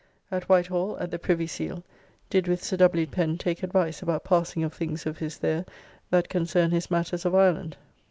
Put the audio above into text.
At Whitehall, at the Privy Seal, did with Sir W. Pen take advice about passing of things of his there that concern his matters of Ireland.